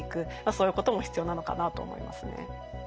そういうことも必要なのかなと思いますね。